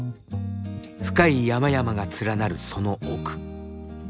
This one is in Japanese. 深い山々が連なるその奥。